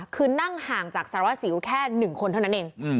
คือนั่งห่างจากสารวัตรศิลป์แค่หนึ่งคนเท่านั้นเองอืม